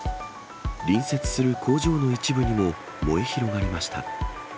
隣接する工場の一部にも燃え広がりました。